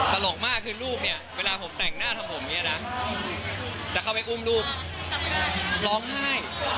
ตลกมากคือลูกเนี่ยเวลาผมแต่งหน้าทำผมเนี่ยนะจะเข้าไปอุ้มลูกร้องไห้